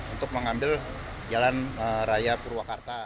untuk mengambil jalan raya purwakarta